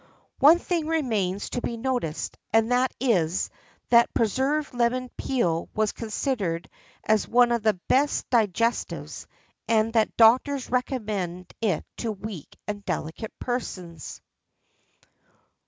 One thing remains to be noticed; and that is, that preserved lemon peel was considered as one of the best digestives, and that doctors recommend it to weak and delicate persons.